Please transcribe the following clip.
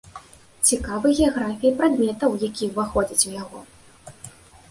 Цікавы геаграфіяй прадметаў, якія ўваходзяць у яго.